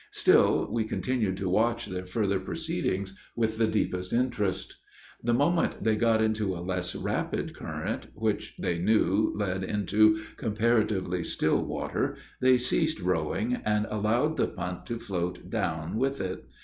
Still we continued to watch their further proceedings with the deepest interest. The moment they got into a less rapid current, which, they knew, led into comparatively still water they ceased rowing, and allowed the punt to float down with it.